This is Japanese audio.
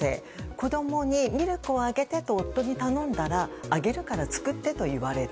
子供にミルクをあげてと夫に頼んだらあげるから作ってと言われた。